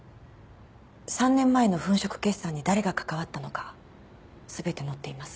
３年前の粉飾決算に誰が関わったのか全て載っています。